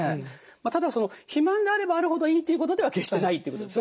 ただ肥満であればあるほどいいということでは決してないということですね。